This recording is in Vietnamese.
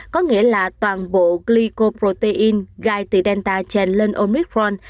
có nghĩa là toàn bộ glycoprotein gai từ delta chèn lên omicron